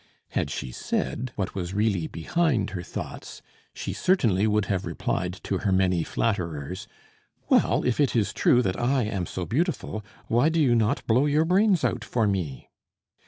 Had she said what was really behind her thoughts, she certainly would have replied to her many flatterers: "Well! if it is true that I am so beautiful, why do you not blow your brains out for me?"